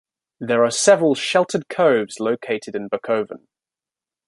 There are several sheltered coves located in Bakoven.